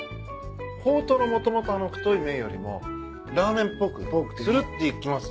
ほうとうのもともとあの太い麺よりもラーメンっぽくするっていきます。